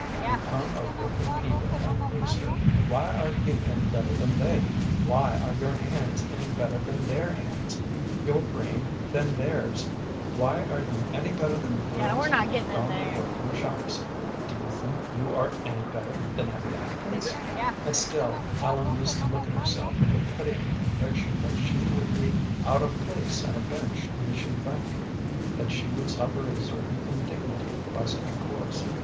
"You come of working people, Ellen Brewster. Why are you any better than they? Why are your hands any better than their hands, your brain than theirs? Why are you any better than the other girls who have gone to work in the shops? Do you think you are any better than Abby Atkins?" And still Ellen used to look at herself with a pitying conviction that she would be out of place at a bench in the shoe factory, that she would suffer a certain indignity by such a course.